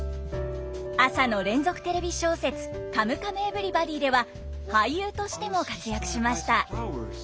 朝の連続テレビ小説「カムカムエヴリバディ」では俳優としても活躍しました。